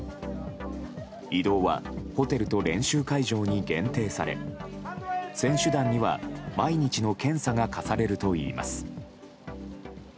移動はホテルと練習会場に限定され選手団には毎日の検査が課されるといいます。